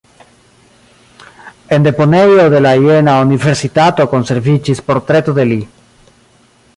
En deponejo de la Jena-universitato konserviĝis portreto de li.